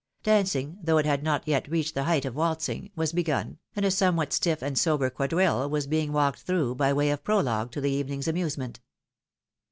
Dancing, though it had not yet reached the height of waltzing, was begun, and a somewhat stiff and sober quadrille was being walked through, by way of prologue to the evening's amiisement.